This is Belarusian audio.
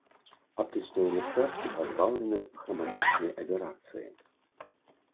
Аптычныя люстэркі пазбаўлены храматычнай аберацыі.